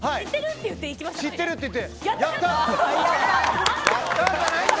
知ってると言って。